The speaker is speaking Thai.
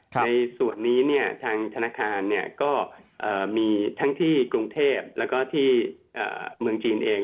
ในส่วนนี้ทางธนาคารก็มีทั้งที่กรุงเทพแล้วก็ที่เมืองจีนเอง